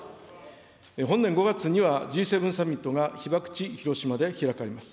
本年５月にはＧ７サミットが被爆地、広島で開かれます。